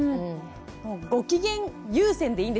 ご機嫌優先でいいんですね？